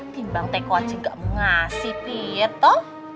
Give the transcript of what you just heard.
timbang teko aja gak mengasih pietto